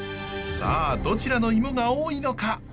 さあどちらのイモが多いのか？